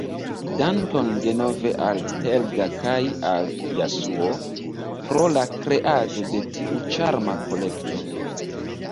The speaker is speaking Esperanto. Dankon denove al Helga kaj al Jasuo pro la kreado de tiu ĉarma kolekto.